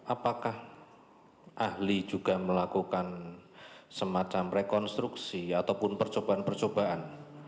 apakah ahli juga melakukan semacam rekonstruksi ataupun percobaan percobaan